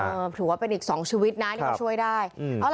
ถือว่าเป็นอีก๒ชีวิตนะที่เขาช่วยได้